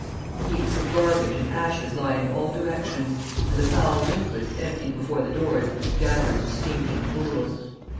Heaps of garbage and ashes lie in all directions, and the foul liquids emptied before the doors gather in stinking pools.